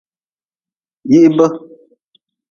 Yihbe.